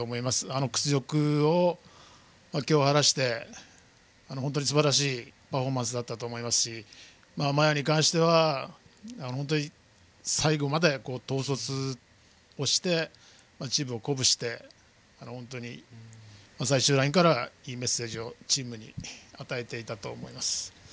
あの屈辱を今日晴らしてすばらしいパフォーマンスだったと思いますし麻也に関しては本当に最後まで統率してチームを鼓舞して最終ラインからいいメッセージをチームに与えていたと思います。